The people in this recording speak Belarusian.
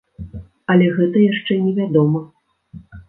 Але гэта яшчэ не вядома.